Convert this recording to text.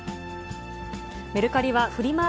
メルカリはフリマ